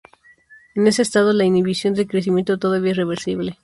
En ese estado, la inhibición del crecimiento todavía es reversible.